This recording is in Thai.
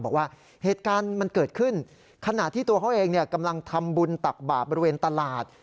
บอกว่าเหตุการณ์มันเกิดขึ้นขณะที่ตัวเขาเองกำลังทำบุญตักบาปบริเวณตลาด